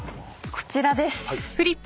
こちらです。